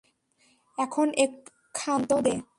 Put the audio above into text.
এখন একটু ক্ষান্ত দে।